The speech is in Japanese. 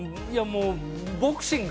ボクシング！